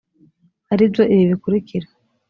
ari byo ibi bikurikira